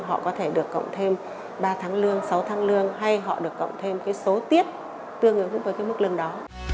họ có thể được cộng thêm ba tháng lương sáu tháng lương hay họ được cộng thêm cái số tiết tương ứng với cái mức lương đó